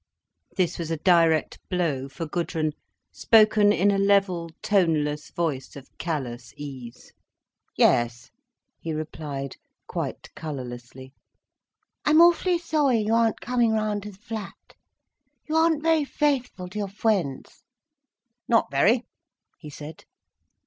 This was a direct blow for Gudrun, spoken in a level, toneless voice of callous ease. "Yes," he replied, quite colourlessly. "I'm awf'lly sorry you aren't coming round to the flat. You aren't very faithful to your fwiends." "Not very," he said.